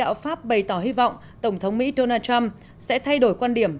báo chí pháp bày tỏ hy vọng tổng thống mỹ donald trump sẽ thay đổi quan điểm